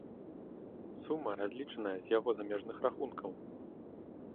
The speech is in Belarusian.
Сума разлічаная з яго замежных рахункаў.